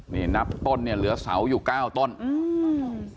นี่นับต้นเนี่ยเหลือเสาอยู่เก้าต้นอืม